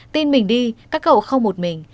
tin mình đi các cậu không một mình